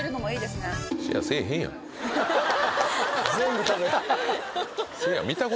全部食べる。